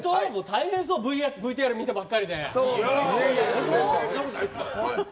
大変そう、ＶＴＲ見てばかりで。